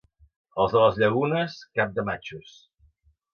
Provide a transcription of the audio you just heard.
Els de les Llagunes, cap de matxos.